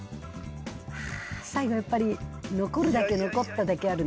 最後やっぱり残るだけ残っただけあるね。